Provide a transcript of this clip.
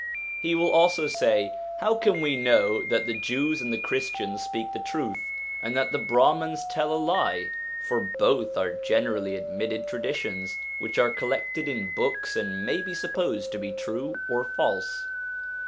He will also say :' How can we know that the Jews and the Christians speak the truth, and that the Brahmans tell a lie ? For both are generally ad mitted traditions, which are collected in books, and may be supposed to be true or false.'